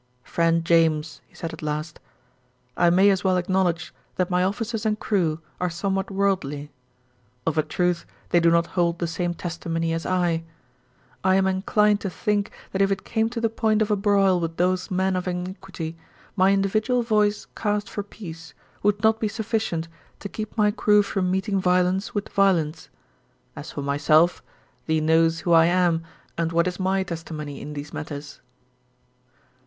"Friend James," he said at last, "I may as well acknowledge that my officers and crew are somewhat worldly. Of a truth they do not hold the same testimony as I. I am inclined to think that if it came to the point of a broil with those men of iniquity, my individual voice cast for peace would not be sufficient to keep my crew from meeting violence with violence. As for myself, thee knows who I am and what is my testimony in these matters."